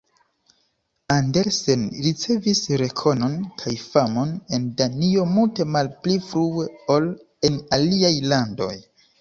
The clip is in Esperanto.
Andersen ricevis rekonon kaj famon en Danio multe malpli frue ol en aliaj landoj.